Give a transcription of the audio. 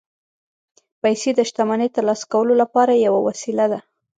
پیسې د شتمنۍ ترلاسه کولو لپاره یوه وسیله ده